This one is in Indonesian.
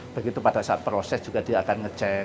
begitu pada saat proses juga dia akan ngecek